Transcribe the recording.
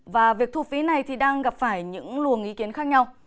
và việc thu phí này thì đang gặp phải những luồng ý kiến khác nhau